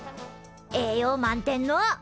栄養満点の。